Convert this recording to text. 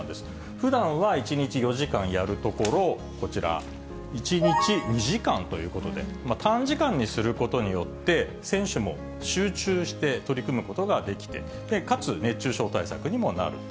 ふだんは１日４時間やるところ、こちら、１日２時間ということで、短時間にすることによって、選手も集中して取り組むことができて、かつ熱中症対策にもなる。